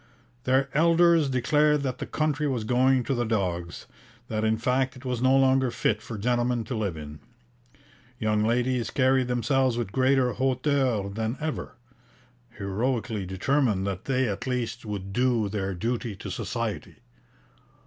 Their elders declared that the country was going to the dogs, that in fact it was no longer fit for gentlemen to live in. Young ladies carried themselves with greater hauteur than ever, heroically determined that they at least would do their duty to Society.